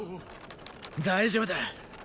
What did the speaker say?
大丈夫だ。